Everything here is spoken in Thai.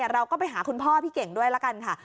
เราก็ไปหาคุณพ่อพี่เก่งด้วยละกันค่ะ